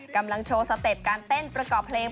กำลังโชว์สเต็ปการเต้นประกอบเพลง